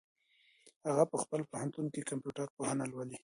هغه په خپل پوهنتون کي کمپيوټر پوهنه لولي.